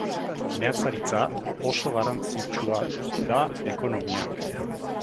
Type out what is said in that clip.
Meatzaritza oso garrantzitsua da ekonomian.